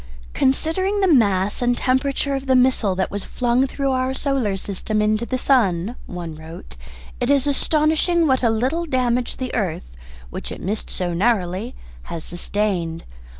"Considering the mass and temperature of the missile that was flung through our solar system into the sun," one wrote, "it is astonishing what a little damage the earth, which it missed so narrowly, has sustained.